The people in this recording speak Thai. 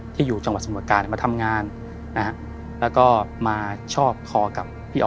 ที่อยู่จังหวัดสมุทรการมาทำงานนะฮะ